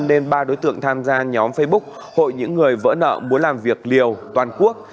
nên ba đối tượng tham gia nhóm facebook hội những người vỡ nợ muốn làm việc liều toàn quốc